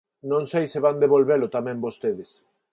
Non sei se van devolvelo tamén vostedes.